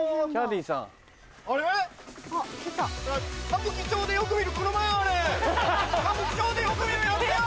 歌舞伎町でよく見るやつや！